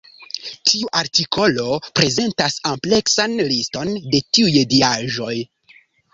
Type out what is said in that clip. Tiu artikolo prezentas ampleksan liston de tiuj diaĵoj.